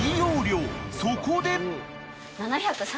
［そこで］